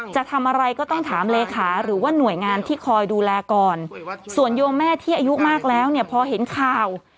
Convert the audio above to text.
จะทำอะไรก็ต้องถามเลขาหรือว่าหน่วยงานที่คอยดูแลก่อนส่วนโยมแม่ที่อายุมากแล้วเนี่ยพอเห็นข่าว